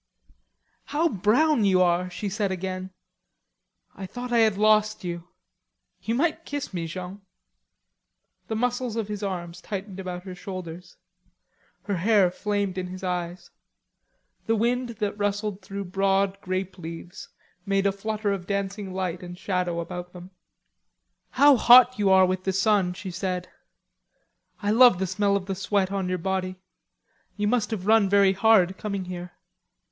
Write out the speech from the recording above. "How brown you are!" she said again. "I thought I had lost you.... You might kiss me, Jean." The muscles of his arms tightened about her shoulders. Her hair flamed in his eyes. The wind that rustled through broad grape leaves made a flutter of dancing light and shadow about them. "How hot you are with the sun!" she said. "I love the smell of the sweat of your body. You must have run very hard, coming here."